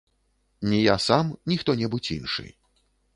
Ні я сам, ні хто-небудзь іншы.